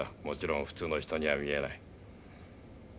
もちろん普通の人には見えない。